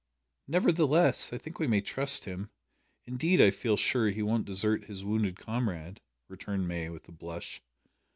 "Nevertheless, I think we may trust him. Indeed I feel sure he won't desert his wounded comrade," returned May, with a blush.